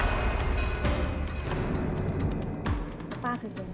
ป้าเคยเกิดอะไร